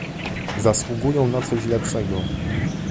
Zasługują na coś lepszego